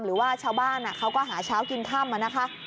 หรือว่าชาวบ้านเขาก็หาเช้ากินค่ำนะคะ